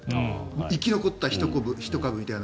生き残った１株みたいな。